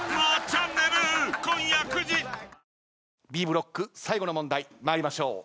Ｂブロック最後の問題参りましょう。